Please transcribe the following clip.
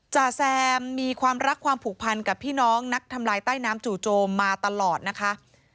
จ่าแซมมีความรักความผูกพันกับพี่น้องนักทำลายใต้น้ำจู่โจมมาตลอดนะคะ